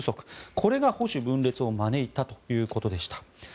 これが保守分裂を招いたということでした。